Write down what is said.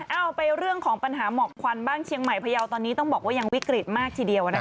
เอาไปเรื่องของปัญหาหมอกควันบ้างเชียงใหม่พยาวตอนนี้ต้องบอกว่ายังวิกฤตมากทีเดียวนะคะ